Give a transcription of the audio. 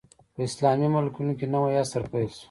په اسلامي ملکونو کې نوی عصر پیل شو.